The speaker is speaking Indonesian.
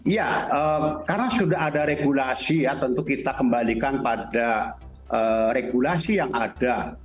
ya karena sudah ada regulasi ya tentu kita kembalikan pada regulasi yang ada